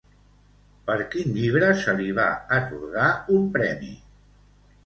Per quin llibre se li va atorgar un premi?